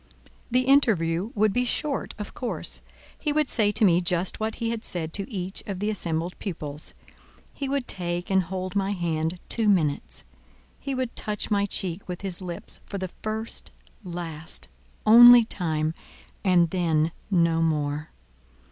The interview would be short, of course: he would say to me just what he had said to each of the assembled pupils; he would take and hold my hand two minutes; he would touch my cheek with his lips for the first, last, only time—and then—no more.